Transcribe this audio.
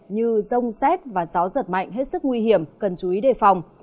như rông xét và gió giật mạnh hết sức nguy hiểm cần chú ý đề phòng